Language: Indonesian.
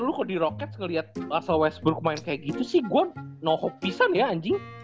gue pengen liat russell westbrook main kayak gitu sih gue no hope isan ya anjing